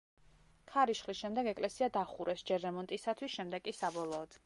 ქარიშხლის შემდეგ ეკელსია დახურეს, ჯერ რემონტისათვის, შემდეგ კი საბოლოოდ.